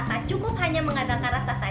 tak cukup hanya mengadakan rasa merasa